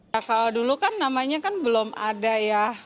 kalau dulu kan namanya belum ada ya